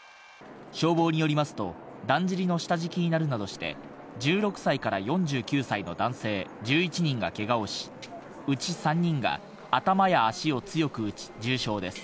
消防によりますと、だんじりの下敷きになるなどして１６歳から４９歳の男性１１人がけがをし、うち３人が頭や足を強く打ち重傷です。